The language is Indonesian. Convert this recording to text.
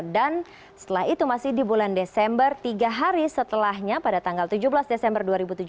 dan setelah itu masih di bulan desember tiga hari setelahnya pada tanggal tujuh belas desember dua ribu tujuh belas